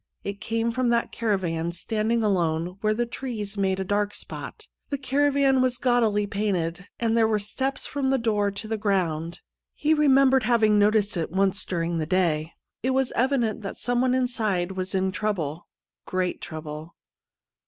It came from that caravan standing alone where the trees made a dark spot. The caravan was gaudily painted, and there were steps from the door to the ground. He remembered having noticed it once during the day. It was evident that someone inside was in trouble — great trouble.